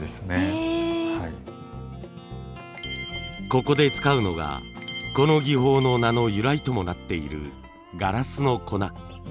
ここで使うのがこの技法の名の由来ともなっているガラスの粉。